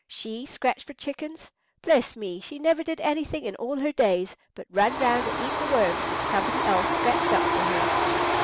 She scratch for chickens! Bless me, she never did anything in all her days but run round and eat the worms which somebody else scratched up for her."